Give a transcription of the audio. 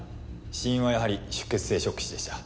死因はやはり出血性ショック死でした。